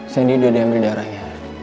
sandy udah diambil darahnya